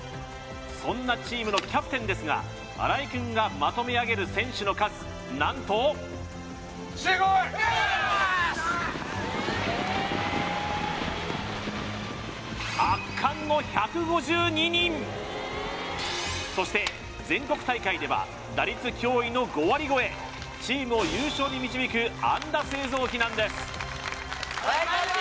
そんなチームのキャプテンですが荒井くんがまとめ上げる選手の数なんと圧巻の１５２人そして全国大会では打率驚異の５割超えチームを優勝に導く安打製造機なんです